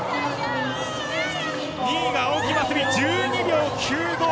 ２位が青木益未、１２秒９５。